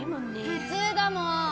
普通だもん。